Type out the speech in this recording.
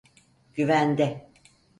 Güvende.